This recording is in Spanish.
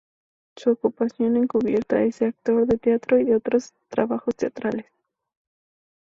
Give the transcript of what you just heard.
Su ocupación encubierta es de un actor de teatro y otros trabajos teatrales.